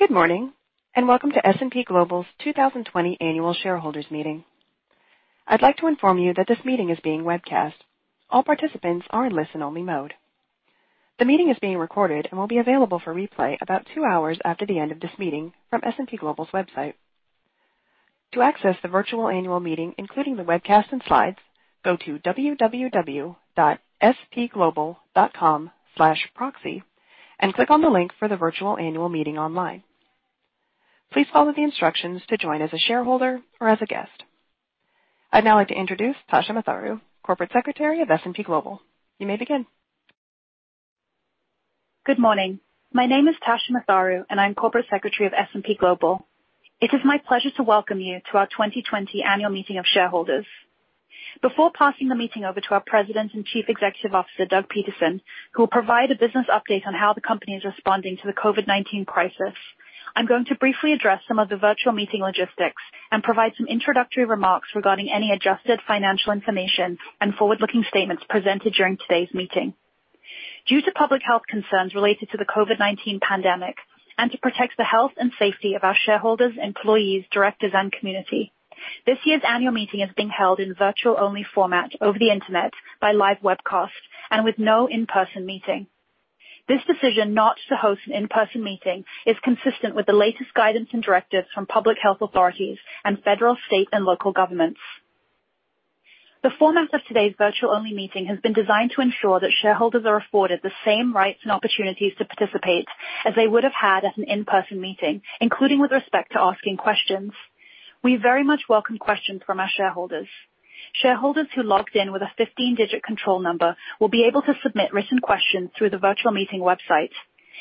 Good morning, and welcome to S&P Global's 2020 Annual Shareholders Meeting. I'd like to inform you that this meeting is being webcast. All participants are in listen-only mode. The meeting is being recorded and will be available for replay about two hours after the end of this meeting from S&P Global's website. To access the virtual annual meeting, including the webcast and slides, go to www.spglobal.com/proxy and click on the link for the virtual annual meeting online. Please follow the instructions to join as a shareholder or as a guest. I'd now like to introduce Tasha Matharu, Corporate Secretary of S&P Global. You may begin. Good morning. My name is Tasha Matharu, and I'm Corporate Secretary of S&P Global. It is my pleasure to welcome you to our 2020 Annual Meeting of Shareholders. Before passing the meeting over to our President and Chief Executive Officer, Doug Peterson, who will provide a business update on how the company is responding to the COVID-19 crisis, I'm going to briefly address some of the virtual meeting logistics and provide some introductory remarks regarding any adjusted financial information and forward-looking statements presented during today's meeting. Due to public health concerns related to the COVID-19 pandemic and to protect the health and safety of our shareholders, employees, directors, and community, this year's annual meeting is being held in virtual-only format over the Internet by live webcast and with no in-person meeting. This decision not to host an in-person meeting is consistent with the latest guidance and directives from public health authorities and federal, state, and local governments. The format of today's virtual-only meeting has been designed to ensure that shareholders are afforded the same rights and opportunities to participate as they would have had at an in-person meeting, including with respect to asking questions. We very much welcome questions from our shareholders. Shareholders who logged in with a 15-digit control number will be able to submit written questions through the virtual meeting website.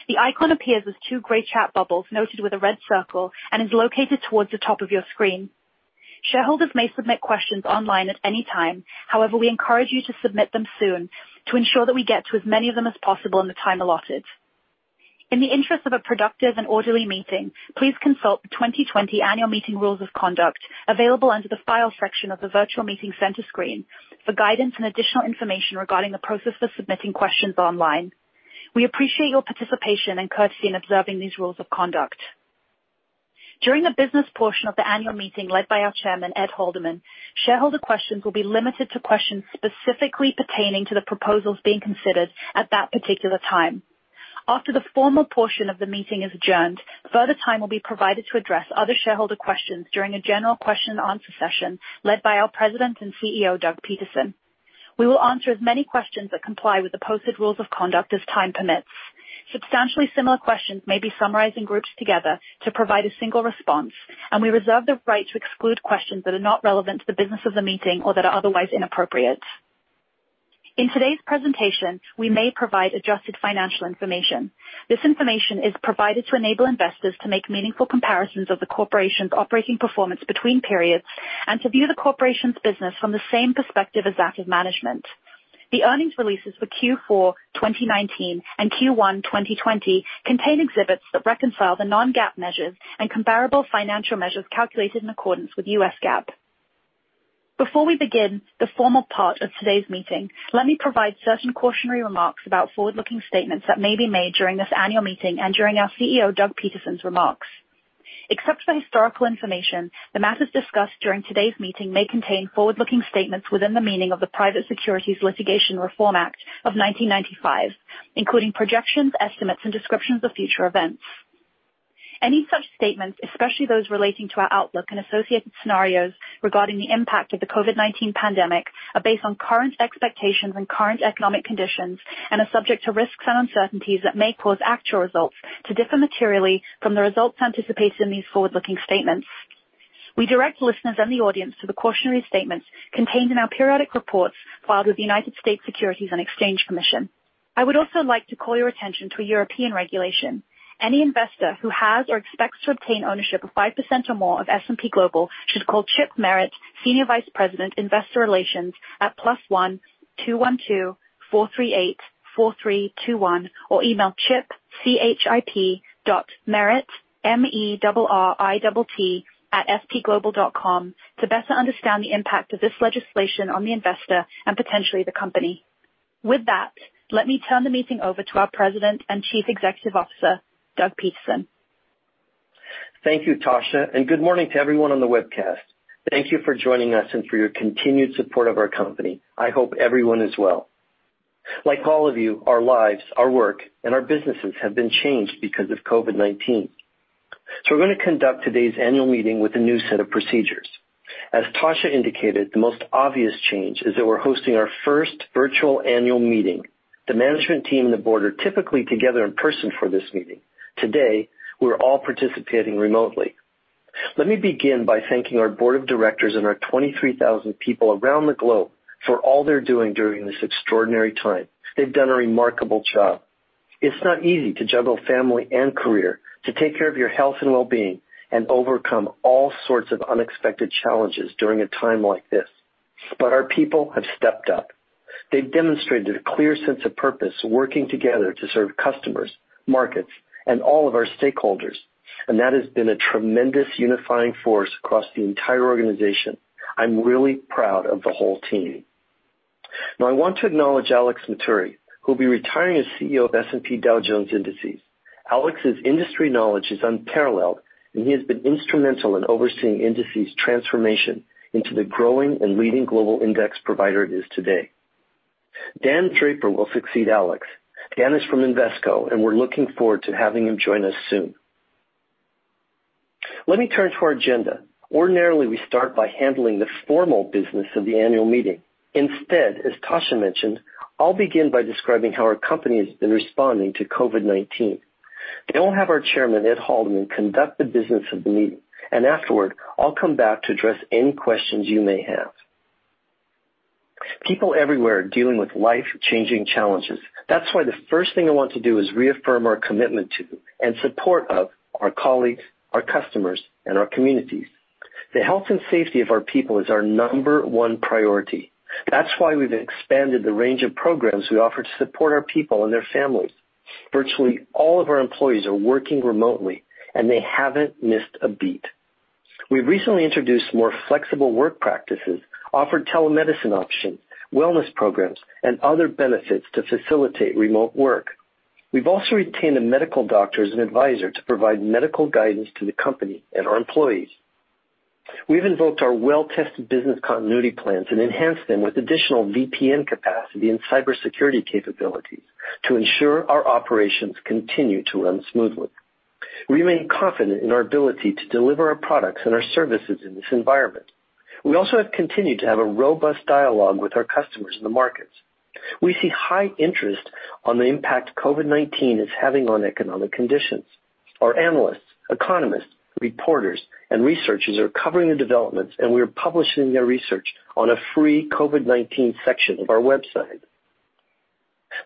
The icon appears as two gray chat bubbles noted with a red circle and is located towards the top of your screen. Shareholders may submit questions online at any time. However, we encourage you to submit them soon to ensure that we get to as many of them as possible in the time allotted. In the interest of a productive and orderly meeting, please consult the 2020 Annual Meeting Rules of Conduct, available under the Files section of the virtual meeting center screen, for guidance and additional information regarding the process for submitting questions online. We appreciate your participation and courtesy in observing these rules of conduct. During the business portion of the annual meeting led by our Chairman, Ed Haldeman, shareholder questions will be limited to questions specifically pertaining to the proposals being considered at that particular time. After the formal portion of the meeting is adjourned, further time will be provided to address other shareholder questions during a general question and answer session led by our President and CEO, Doug Peterson. We will answer as many questions that comply with the posted rules of conduct as time permits. Substantially similar questions may be summarized and grouped together to provide a single response, and we reserve the right to exclude questions that are not relevant to the business of the meeting or that are otherwise inappropriate. In today's presentation, we may provide adjusted financial information. This information is provided to enable investors to make meaningful comparisons of the corporation's operating performance between periods and to view the corporation's business from the same perspective as that of management. The earnings releases for Q4 2019 and Q1 2020 contain exhibits that reconcile the non-GAAP measures and comparable financial measures calculated in accordance with U.S. GAAP. Before we begin the formal part of today's meeting, let me provide certain cautionary remarks about forward-looking statements that may be made during this annual meeting and during our CEO, Doug Peterson's remarks. Except for historical information, the matters discussed during today's meeting may contain forward-looking statements within the meaning of the Private Securities Litigation Reform Act of 1995, including projections, estimates, and descriptions of future events. Any such statements, especially those relating to our outlook and associated scenarios regarding the impact of the COVID-19 pandemic, are based on current expectations and current economic conditions and are subject to risks and uncertainties that may cause actual results to differ materially from the results anticipated in these forward-looking statements. We direct listeners and the audience to the cautionary statements contained in our periodic reports filed with the United States Securities and Exchange Commission. I would also like to call your attention to a European regulation. Any investor who has or expects to obtain ownership of 5% or more of S&P Global should call Chip Merritt, Senior Vice President, Investor Relations, at +1-212-438-4321 or email Chip.Merritt@spglobal.com to better understand the impact of this legislation on the investor and potentially the company. With that, let me turn the meeting over to our President and Chief Executive Officer, Doug Peterson. Thank you, Tasha. Good morning to everyone on the webcast. Thank you for joining us and for your continued support of our company. I hope everyone is well. Like all of you, our lives, our work, and our businesses have been changed because of COVID-19. We're going to conduct today's annual meeting with a new set of procedures. As Tasha indicated, the most obvious change is that we're hosting our first virtual annual meeting. The management team and the board are typically together in person for this meeting. Today, we're all participating remotely. Let me begin by thanking our board of directors and our 23,000 people around the globe for all they're doing during this extraordinary time. They've done a remarkable job. It's not easy to juggle family and career, to take care of your health and well-being, and overcome all sorts of unexpected challenges during a time like this. Our people have stepped up. They've demonstrated a clear sense of purpose, working together to serve customers, markets, and all of our stakeholders, and that has been a tremendous unifying force across the entire organization. I'm really proud of the whole team. I want to acknowledge Alex Matturri, who will be retiring as CEO of S&P Dow Jones Indices. Alex's industry knowledge is unparalleled, and he has been instrumental in overseeing Indices transformation into the growing and leading global index provider it is today. Dan Draper will succeed Alex. Dan is from Invesco, and we're looking forward to having him join us soon. Let me turn to our agenda. Ordinarily, we start by handling the formal business of the annual meeting. Instead, as Tasha mentioned, I'll begin by describing how our company has been responding to COVID-19. I'll have our Chairman, Ed Haldeman, conduct the business of the meeting, and afterward, I'll come back to address any questions you may have. People everywhere are dealing with life-changing challenges. That's why the first thing I want to do is reaffirm our commitment to, and support of, our colleagues, our customers, and our communities. The health and safety of our people is our number one priority. That's why we've expanded the range of programs we offer to support our people and their families. Virtually all of our employees are working remotely, and they haven't missed a beat. We've recently introduced more flexible work practices, offered telemedicine options, wellness programs, and other benefits to facilitate remote work. We've also retained a medical doctor as an advisor to provide medical guidance to the company and our employees. We've invoked our well-tested business continuity plans and enhanced them with additional VPN capacity and cybersecurity capabilities to ensure our operations continue to run smoothly. We remain confident in our ability to deliver our products and our services in this environment. We also have continued to have a robust dialogue with our customers in the markets. We see high interest on the impact COVID-19 is having on economic conditions. Our analysts, economists, reporters, and researchers are covering the developments. We are publishing their research on a free COVID-19 section of our website.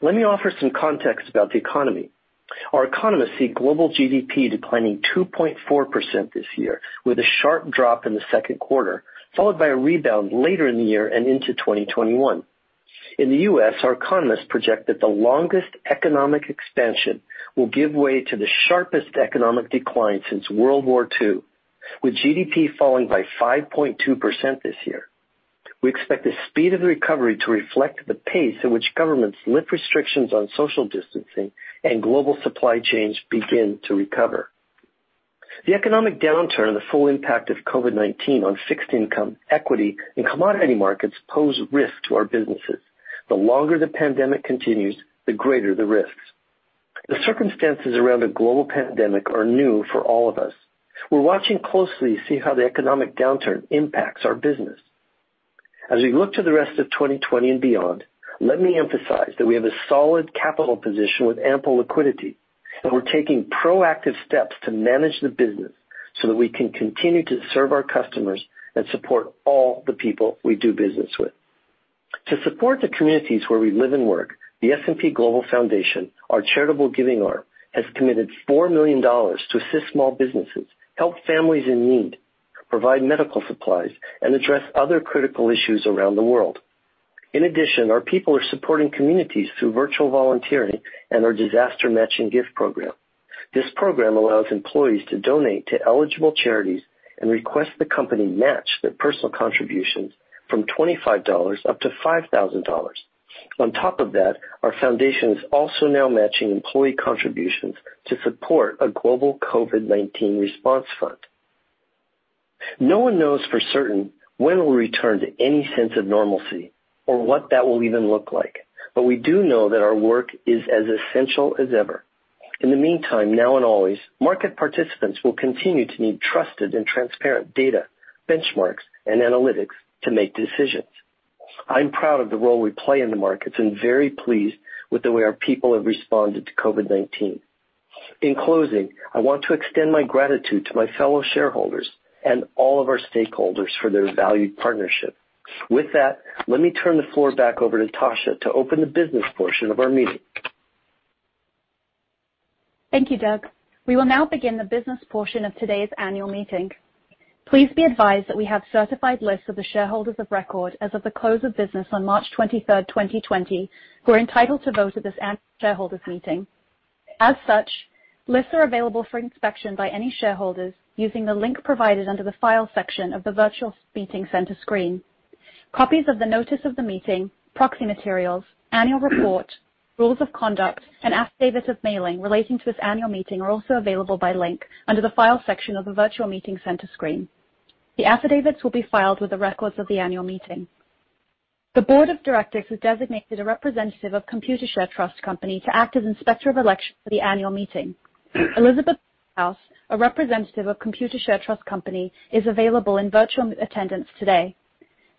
Let me offer some context about the economy. Our economists see global GDP declining 2.4% this year, with a sharp drop in the second quarter, followed by a rebound later in the year and into 2021. In the U.S., our economists project that the longest economic expansion will give way to the sharpest economic decline since World War II, with GDP falling by 5.2% this year. We expect the speed of the recovery to reflect the pace at which governments lift restrictions on social distancing and global supply chains begin to recover. The economic downturn and the full impact of COVID-19 on fixed income, equity, and commodity markets pose risk to our businesses. The longer the pandemic continues, the greater the risks. The circumstances around a global pandemic are new for all of us. We're watching closely to see how the economic downturn impacts our business. As we look to the rest of 2020 and beyond, let me emphasize that we have a solid capital position with ample liquidity, and we're taking proactive steps to manage the business so that we can continue to serve our customers and support all the people we do business with. To support the communities where we live and work, the S&P Global Foundation, our charitable giving arm, has committed $4 million to assist small businesses, help families in need, provide medical supplies, and address other critical issues around the world. In addition, our people are supporting communities through virtual volunteering and our Disaster Matching Gift Program. This program allows employees to donate to eligible charities and request the company match their personal contributions from $25 up to $5,000. On top of that, our Foundation is also now matching employee contributions to support a global COVID-19 Response Fund. No one knows for certain when we'll return to any sense of normalcy or what that will even look like, but we do know that our work is as essential as ever. In the meantime, now and always, market participants will continue to need trusted and transparent data, benchmarks, and analytics to make decisions. I'm proud of the role we play in the markets and very pleased with the way our people have responded to COVID-19. In closing, I want to extend my gratitude to my fellow shareholders and all of our stakeholders for their valued partnership. With that, let me turn the floor back over to Tasha to open the business portion of our meeting. Thank you, Doug. We will now begin the business portion of today's annual meeting. Please be advised that we have certified lists of the shareholders of record as of the close of business on March 23rd, 2020, who are entitled to vote at this annual shareholders meeting. As such, lists are available for inspection by any shareholders using the link provided under the File section of the virtual meeting center screen. Copies of the notice of the meeting, proxy materials, annual report, rules of conduct, and affidavit of mailing relating to this annual meeting are also available by link under the File section of the virtual meeting center screen. The affidavits will be filed with the records of the annual meeting. The board of directors has designated a representative of Computershare Trust Company to act as inspector of election for the annual meeting. Elizabeth Waterhouse, a representative of Computershare Trust Company, is available in virtual attendance today.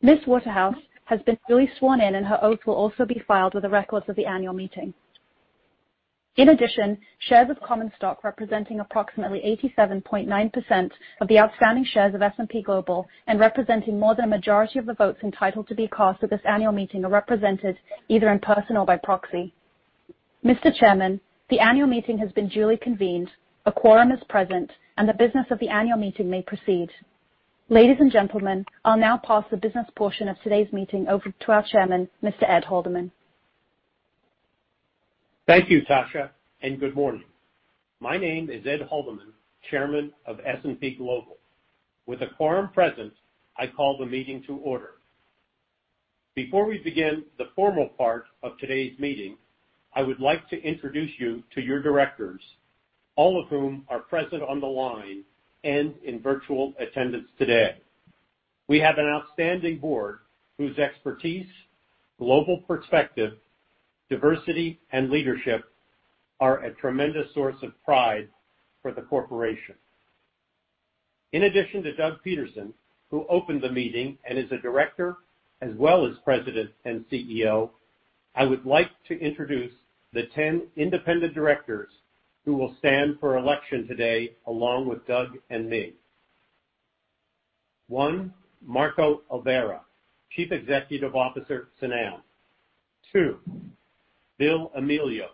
Ms. Waterhouse has been duly sworn in, and her oath will also be filed with the records of the annual meeting. In addition, shares of common stock representing approximately 87.9% of the outstanding shares of S&P Global and representing more than a majority of the votes entitled to be cast at this annual meeting are represented either in person or by proxy. Mr. Chairman, the annual meeting has been duly convened, a quorum is present, and the business of the annual meeting may proceed. Ladies and gentlemen, I'll now pass the business portion of today's meeting over to our chairman, Mr. Ed Haldeman. Thank you, Tasha, and good morning. My name is Ed Haldeman, Chairman of S&P Global. With a quorum present, I call the meeting to order. Before we begin the formal part of today's meeting, I would like to introduce you to your directors, all of whom are present on the line and in virtual attendance today. We have an outstanding board whose expertise, global perspective, diversity, and leadership are a tremendous source of pride for the corporation. In addition to Doug Peterson, who opened the meeting and is a director as well as President and CEO, I would like to introduce the 10 independent directors who will stand for election today, along with Doug and me. One, Marco Alverà, Chief Executive Officer, Snam. Two, Bill Amelio,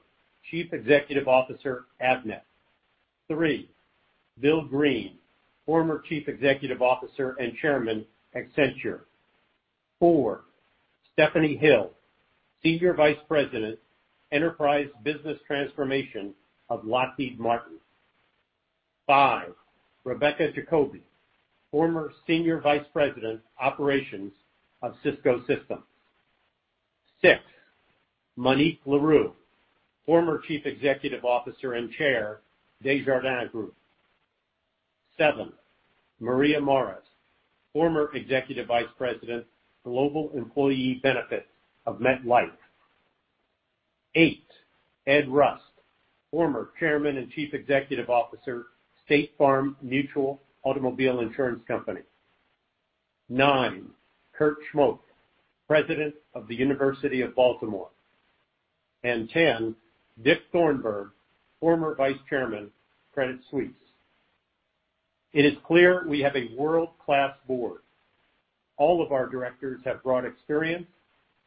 Chief Executive Officer, Avnet. Three, Bill Green, former Chief Executive Officer and Chairman, Accenture. Four, Stephanie Hill, Senior Vice President, Enterprise Business Transformation of Lockheed Martin. Five, Rebecca Jacoby, former Senior Vice President, Operations of Cisco Systems. Six, Monique Leroux, former Chief Executive Officer and Chair, Desjardins Group. Seven, Maria Morris, former Executive Vice President, Global Employee Benefits of MetLife. Eight, Ed Rust, former Chairman and Chief Executive Officer, State Farm Mutual Automobile Insurance Company. Nine, Kurt Schmoke, President of the University of Baltimore. 10, Dick Thornburgh, former Vice Chairman, Credit Suisse. It is clear we have a world-class Board. All of our directors have broad experience,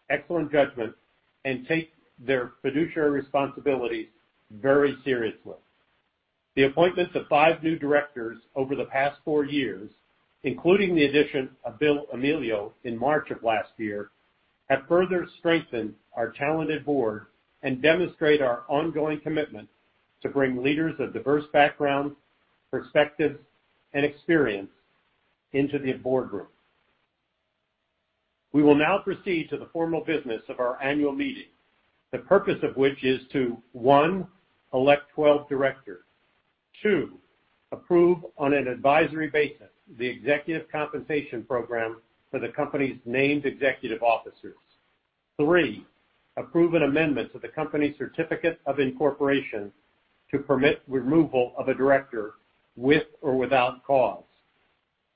excellent judgment, and take their fiduciary responsibilities very seriously. The appointments of five new directors over the past four years, including the addition of Bill Amelio in March of last year, have further strengthened our talented Board and demonstrate our ongoing commitment to bring leaders of diverse backgrounds, perspectives, and experience into the Board room. We will now proceed to the formal business of our annual meeting, the purpose of which is to, one, elect 12 directors. Two, approve on an advisory basis the executive compensation program for the company's named executive officers. Three, approve an amendment to the company certificate of incorporation to permit removal of a director with or without cause.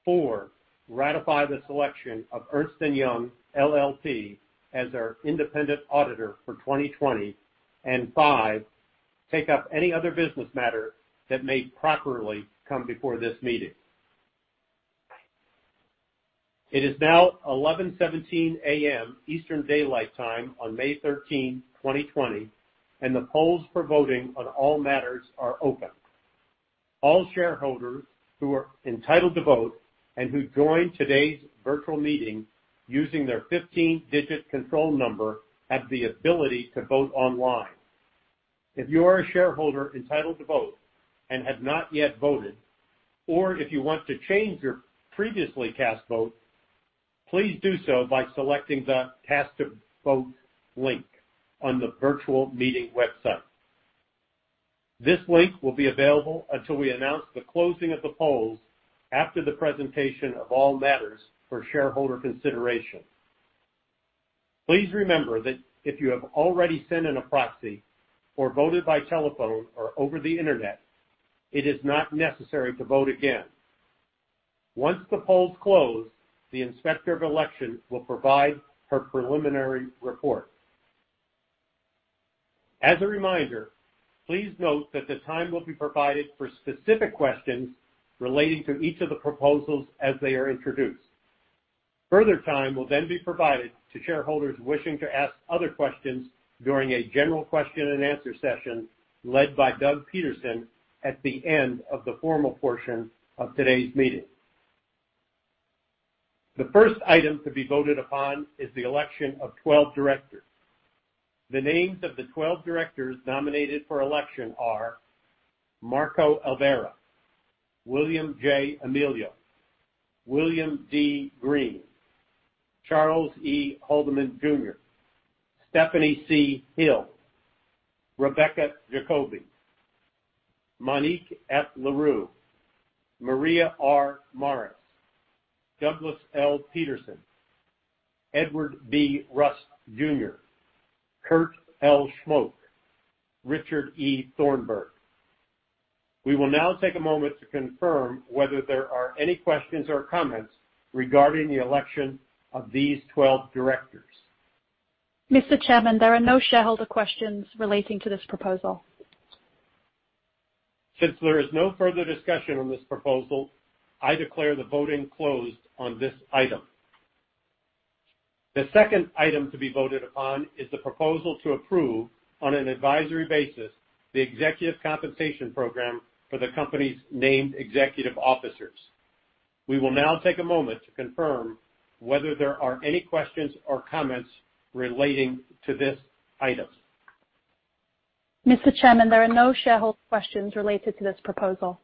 Four, ratify the selection of Ernst & Young LLP as our independent auditor for 2020, and five, take up any other business matter that may properly come before this meeting. It is now 11:17 A.M. Eastern Daylight Time on May 13, 2020, and the polls for voting on all matters are open. All shareholders who are entitled to vote and who join today's virtual meeting using their 15-digit control number have the ability to vote online. If you are a shareholder entitled to vote and have not yet voted, or if you want to change your previously cast vote, please do so by selecting the cast a vote link on the virtual meeting website. This link will be available until we announce the closing of the polls after the presentation of all matters for shareholder consideration. Please remember that if you have already sent in a proxy or voted by telephone or over the internet, it is not necessary to vote again. Once the polls close, the Inspector of Election will provide her preliminary report. As a reminder, please note that the time will be provided for specific questions relating to each of the proposals as they are introduced. Further time will then be provided to shareholders wishing to ask other questions during a general question and answer session led by Doug Peterson at the end of the formal portion of today's meeting. The first item to be voted upon is the election of 12 directors. The names of the 12 directors nominated for election are Marco Alverà, William J. Amelio, William D. Green, Charles E. Haldeman, Jr., Stephanie C. Hill, Rebecca Jacoby, Monique F. Leroux, Maria R. Morris, Douglas L. Peterson, Edward B. Rust, Jr., Kurt L. Schmoke, Richard E. Thornburgh. We will now take a moment to confirm whether there are any questions or comments regarding the election of these 12 directors. Mr. Chairman, there are no shareholder questions relating to this proposal. Since there is no further discussion on this proposal, I declare the voting closed on this item. The second item to be voted upon is the proposal to approve, on an advisory basis, the executive compensation program for the company's named executive officers. We will now take a moment to confirm whether there are any questions or comments relating to this item. Mr. Chairman, there are no shareholder questions related to this proposal.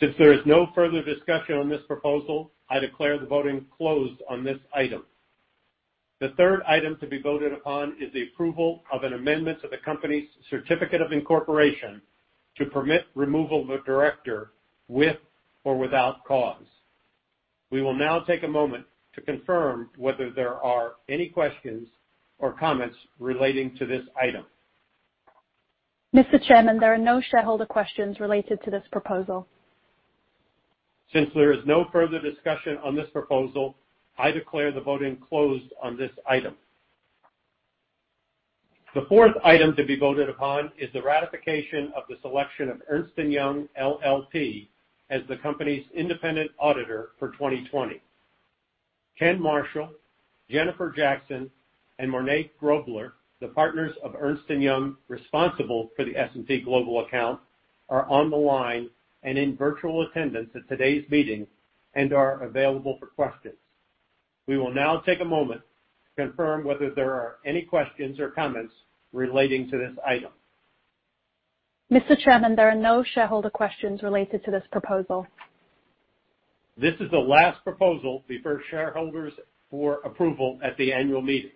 Since there is no further discussion on this proposal, I declare the voting closed on this item. The third item to be voted upon is the approval of an amendment to the company's certificate of incorporation to permit removal of a director with or without cause. We will now take a moment to confirm whether there are any questions or comments relating to this item. Mr. Chairman, there are no shareholder questions related to this proposal. Since there is no further discussion on this proposal, I declare the voting closed on this item. The fourth item to be voted upon is the ratification of the selection of Ernst & Young LLP as the company's independent auditor for 2020. Ken Marshall, Jennifer Jackson, and Marnai Grobler, the partners of Ernst & Young responsible for the S&P Global account, are on the line and in virtual attendance at today's meeting and are available for questions. We will now take a moment to confirm whether there are any questions or comments relating to this item. Mr. Chairman, there are no shareholder questions related to this proposal. This is the last proposal before shareholders for approval at the annual meeting.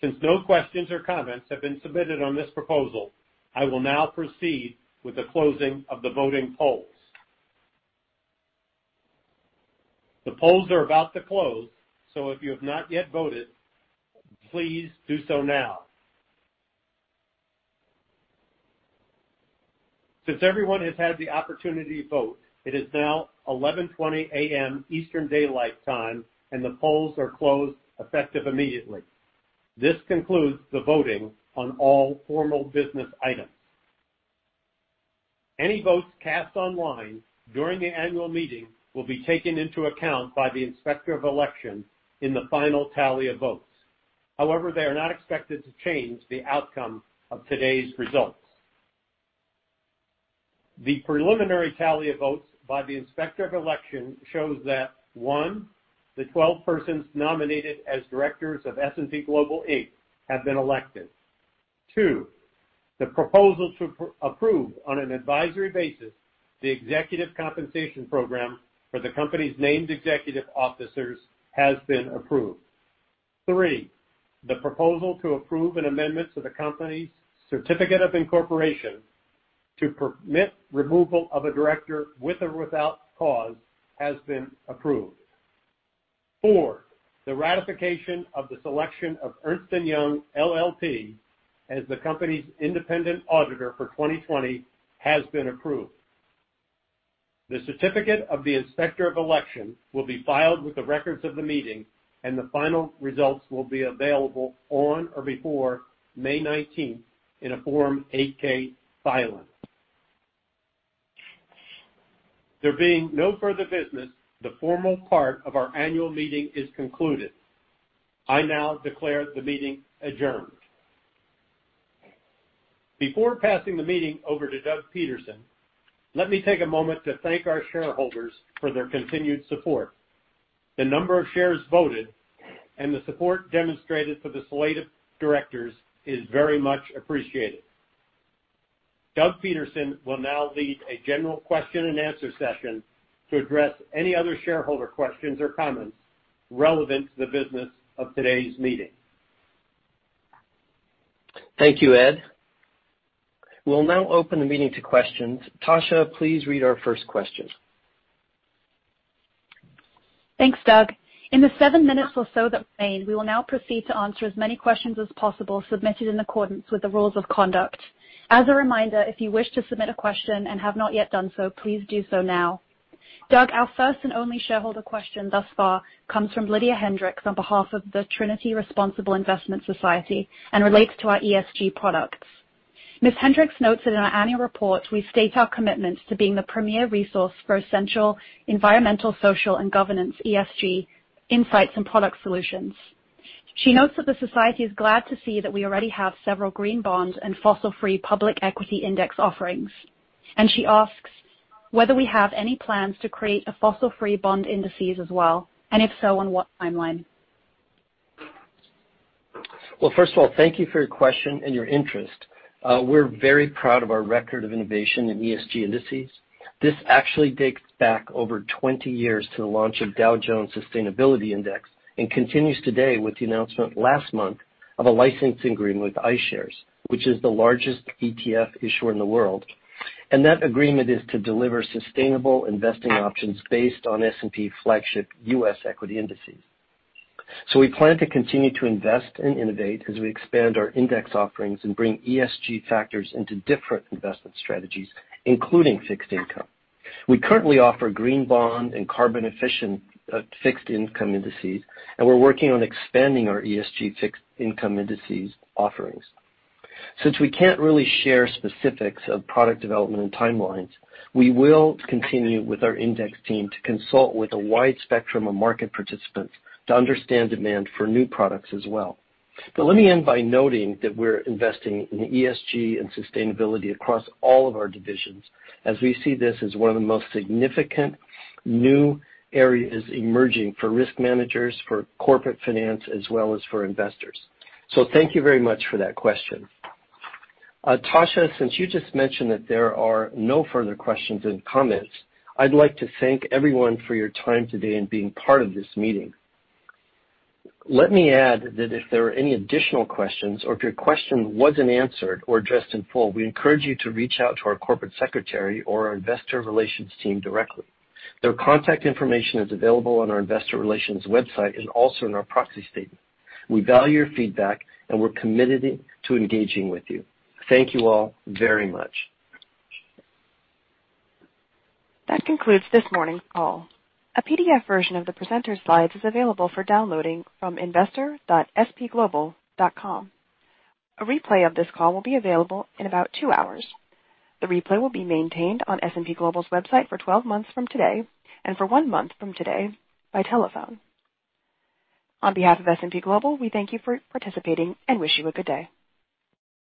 Since no questions or comments have been submitted on this proposal, I will now proceed with the closing of the voting polls. The polls are about to close, so if you have not yet voted, please do so now. Since everyone has had the opportunity to vote, it is now 11:20 A.M. Eastern Daylight Time, and the polls are closed effective immediately. This concludes the voting on all formal business items. Any votes cast online during the annual meeting will be taken into account by the Inspector of Election in the final tally of votes. However, they are not expected to change the outcome of today's results. The preliminary tally of votes by the Inspector of Election shows that, one, the 12 persons nominated as directors of S&P Global Inc. have been elected. Two, the proposal to approve on an advisory basis the executive compensation program for the company's named executive officers has been approved. Three, the proposal to approve an amendment to the company's certificate of incorporation to permit removal of a director with or without cause has been approved. Four, the ratification of the selection of Ernst & Young LLP as the company's independent auditor for 2020 has been approved. The certificate of the Inspector of Election will be filed with the records of the meeting, and the final results will be available on or before May 19th in a Form 8-K filing. There being no further business, the formal part of our annual meeting is concluded. I now declare the meeting adjourned. Before passing the meeting over to Doug Peterson, let me take a moment to thank our shareholders for their continued support. The number of shares voted and the support demonstrated for the slate of directors is very much appreciated. Doug Peterson will now lead a general question and answer session to address any other shareholder questions or comments relevant to the business of today's meeting. Thank you, Ed. We'll now open the meeting to questions. Tasha, please read our first question. Thanks, Doug. In the seven minutes or so that remain, we will now proceed to answer as many questions as possible submitted in accordance with the rules of conduct. As a reminder, if you wish to submit a question and have not yet done so, please do so now. Doug, our first and only shareholder question thus far comes from Lydia Hendricks on behalf of the Trinity Responsible Investment Society and relates to our ESG products. Ms. Hendricks notes that in our annual report, we state our commitment to being the premier resource for essential environmental, social, and governance, ESG, insights and product solutions. She notes that the society is glad to see that we already have several green bond and fossil free public equity index offerings, and she asks whether we have any plans to create a fossil free bond indices as well, and if so, on what timeline. First of all, thank you for your question and your interest. We're very proud of our record of innovation in ESG indices. This actually dates back over 20 years to the launch of Dow Jones Sustainability Index and continues today with the announcement last month of a licensing agreement with iShares, which is the largest ETF issuer in the world. That agreement is to deliver sustainable investing options based on S&P flagship U.S. equity indices. We plan to continue to invest and innovate as we expand our index offerings and bring ESG factors into different investment strategies, including fixed income. We currently offer green bond and carbon-efficient fixed income indices, and we're working on expanding our ESG fixed income indices offerings. Since we can't really share specifics of product development and timelines, we will continue with our index team to consult with a wide spectrum of market participants to understand demand for new products as well. Let me end by noting that we're investing in ESG and sustainability across all of our divisions, as we see this as one of the most significant new areas emerging for risk managers, for corporate finance, as well as for investors. Thank you very much for that question. Tasha, since you just mentioned that there are no further questions and comments, I'd like to thank everyone for your time today in being part of this meeting. Let me add that if there are any additional questions or if your question wasn't answered or addressed in full, we encourage you to reach out to our Corporate Secretary or our Investor Relations team directly. Their contact information is available on our investor relations website and also in our proxy statement. We value your feedback, and we're committed to engaging with you. Thank you all very much. That concludes this morning's call. A PDF version of the presenters' slides is available for downloading from investor.spglobal.com. A replay of this call will be available in about two hours. The replay will be maintained on S&P Global's website for 12 months from today and for one month from today by telephone. On behalf of S&P Global, we thank you for participating and wish you a good day.